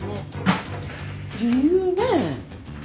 理由ねえ。